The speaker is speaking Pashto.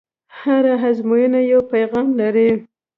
هره ازموینه یو پیغام لري.